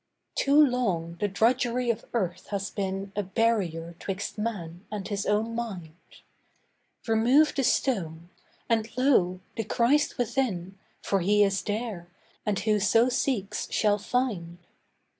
Too long the drudgery of earth has been A barrier 'twixt man and his own mind. Remove the stone, and lo! the Christ within; For He is there, and who so seeks shall find.